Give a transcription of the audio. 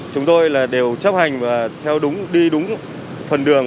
chúng tôi đều chấp hành và theo đúng đi đúng phần đường